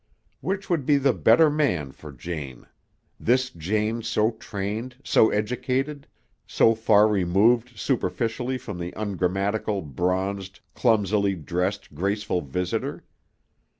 Which would be the better man for Jane? this Jane so trained, so educated, so far removed superficially from the ungrammatical, bronzed, clumsily dressed, graceful visitor.